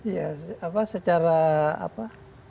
ya apa secara apa